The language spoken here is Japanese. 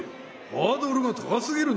ハードルが高すぎるな。